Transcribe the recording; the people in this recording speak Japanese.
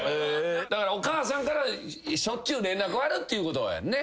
だからお母さんからしょっちゅう連絡あるっていうことやんね。